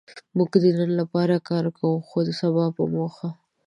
موږ د نن لپاره کار کوو؛ خو د سبا په موخه.